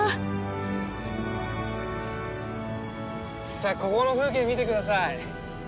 さあここの風景見て下さい。